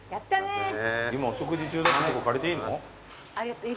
今お食事中だったとこ借りていいの？